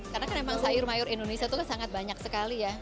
karena kan memang sayur mayur indonesia itu sangat banyak sekali ya